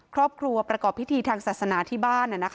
ครอบครัวประกอบพิธีทางศาสนาที่บ้าน